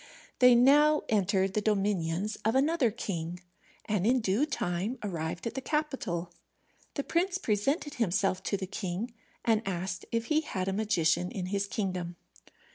They now entered the dominions of another king, and in due time arrived at the capital. The prince presented himself to the king, and asked if he had a magician in his kingdom.